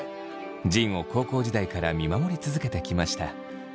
仁を高校時代から見守り続けてきました。